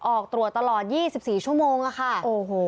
ออกตรวจตลอดงานยี่สิบสี่ชั่วโมงล่ะค่ะโอ้โห